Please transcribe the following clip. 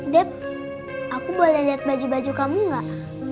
dep aku boleh liat baju baju kamu gak